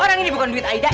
orang ini bukan duit aida